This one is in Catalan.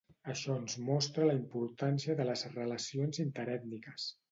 Això ens mostra la importància de les relacions interètniques.